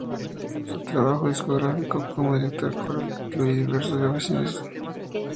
Su trabajo discográfico como director coral incluye diversas grabaciones de música coral popular venezolana.